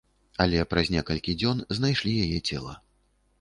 Але праз некалькі дзён знайшлі яе цела.